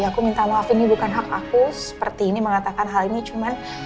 aku minta maaf ini bukan hak aku seperti ini mengatakan hal ini cuman